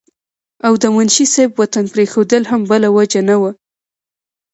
او د منشي صېب وطن پريښودل هم بلاوجه نه وو